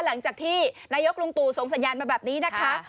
หลังจากที่นายกลุงตู่ส่งสัญญาณมาแบบนี้นะคะ